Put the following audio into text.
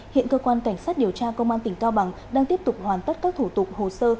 hiện cơ quan cảnh sát điều tra công an tỉnh cao bằng đang tiếp tục hoàn tất các thủ tục hồ sơ